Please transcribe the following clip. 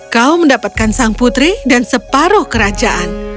kau mendapatkan sang putri dan separuh kerajaan